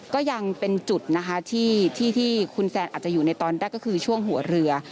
ก็ยังเป็นจุดนะคะที่คุณแซนอาจจะอยู่ในตอนแรกก็คือช่วงหัวเรือ